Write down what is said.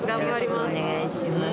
よろしくお願いします。